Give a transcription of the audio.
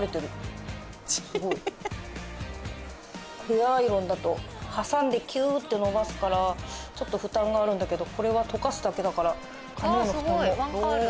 ヘアアイロンだと挟んでキューッて伸ばすからちょっと負担があるんだけどこれはとかすだけだから髪への負担も少ないね。